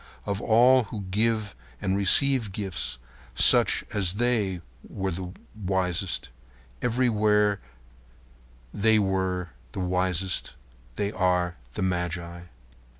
Of all who give and receive gifts, such as they are wisest. Everywhere they are wisest. They are the magi.